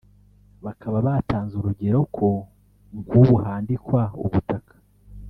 bakaba batanze urugero ko nk’ubu handikwa ubutaka